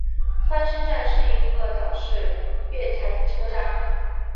翻身站是一个岛式月台车站。